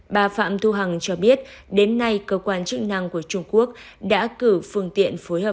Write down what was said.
bà phạm thu hằng cho biết đến nay cơ quan chức năng của trung quốc đã cử phương tiện phối hợp